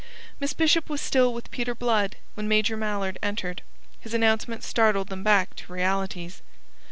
Miss Bishop was still with Peter Blood when Major Mallard entered. His announcement startled them back to realities.